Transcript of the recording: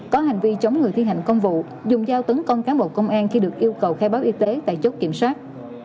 có hành vi chống người thi hành công vụ dùng dao tấn công cán bộ công an khi được yêu cầu khai báo y tế tại chốt kiểm soát